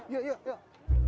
yuk yuk yuk